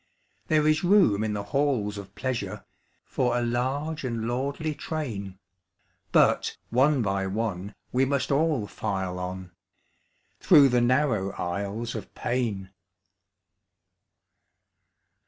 There is room in the halls of pleasure For a large and lordly train, But one by one we must all file on Through the narrow aisles of pain.